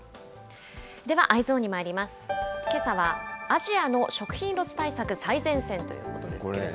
アジアの食品ロス対策最前線ということですけれども。